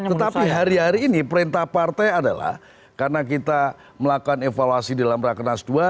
tetapi hari hari ini perintah partai adalah karena kita melakukan evaluasi dalam rakenas ii